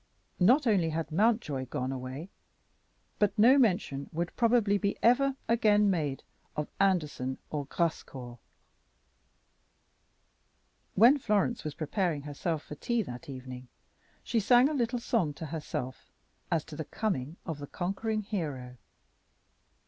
Not only had Mountjoy gone away, but no mention would probably be ever again made of Anderson or Grascour. When Florence was preparing herself for tea that evening she sang a little song to herself as to the coming of the conquering hero.